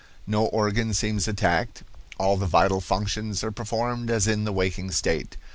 "No organ seems attacked; all the vital functions are performed as in the waking state.